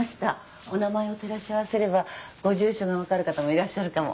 お名前を照らし合わせればご住所が分かる方もいらっしゃるかも。